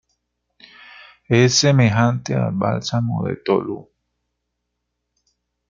Es semejante al bálsamo de Tolú.